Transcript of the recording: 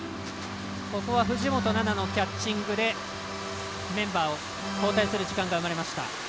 ここは藤本那菜のキャッチングでメンバーを交代する時間が生まれました。